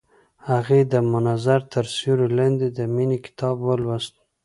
هغې د منظر تر سیوري لاندې د مینې کتاب ولوست.